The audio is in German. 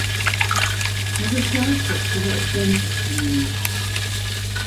Die Sozialstruktur ist ländlich dominiert.